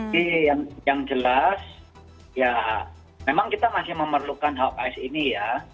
jadi yang jelas ya memang kita masih memerlukan hawkeye ini ya